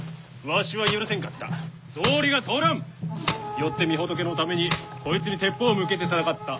よって御仏のためにこいつに鉄砲を向けて戦った。